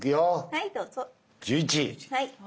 はい。